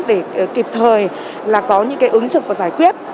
để kịp thời là có những cái ứng trực và giải quyết